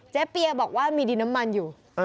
เปียบอกว่ามีดินน้ำมันอยู่